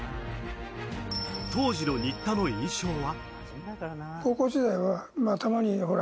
当時の新田の印象は。